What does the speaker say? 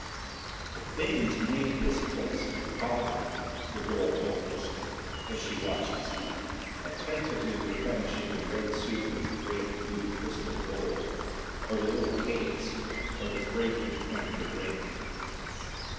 "The Things made this place for father," the girl told us, as she watched us eat, attentively replenishing the red soup in the great blue crystal bowl, or the little cakes, or the fragrant amber drink.